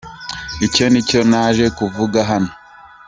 Icyo ni cyo naje kuvuga hano.”